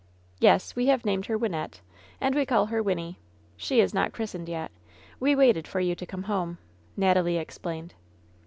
"Yes, we have named her Wynnette, and we call her Wynnie. S^e is not christened yet. We waited for you to come home," Natalie explained.